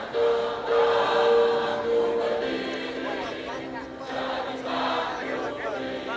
bersih merakyat kerja